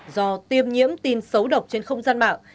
do tiêm nhiễm tin xấu độc trên không gian mạng